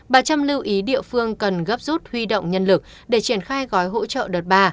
bà trăm lưu ý địa phương cần gấp rút huy động nhân lực để triển khai gói hỗ trợ đợt ba